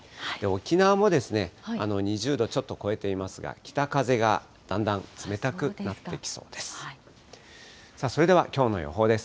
沖縄も２０度ちょっと超えていますが、北風がだんだん冷たくなってきそうです。